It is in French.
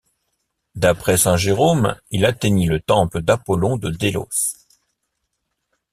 D'après saint Jérôme, il atteignit le temple d'Apollon de Délos.